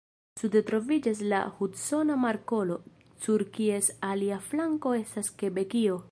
Sude troviĝas la Hudsona Markolo, sur kies alia flanko estas Kebekio.